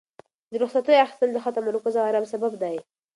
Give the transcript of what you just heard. د رخصتیو اخیستل د ښه تمرکز او ارام سبب دی.